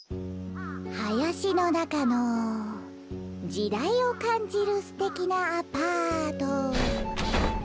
はやしのなかのじだいをかんじるすてきなアパート。